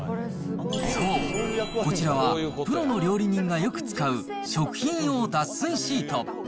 そう、こちらはプロの料理人がよく使う食品用脱水シート。